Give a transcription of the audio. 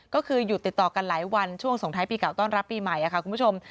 ก็คือหยุดติดต่อกันหลายวันช่วงสงท้ายปีเก่าต้อนรับปีใหม่ค่ะคุณผู้ชม